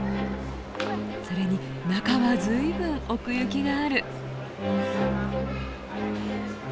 それに中は随分奥行きがある。